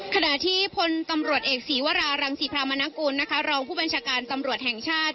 ขณะที่พลตำรวจเอกศีวรารังศรีพรามนากุลนะคะรองผู้บัญชาการตำรวจแห่งชาติ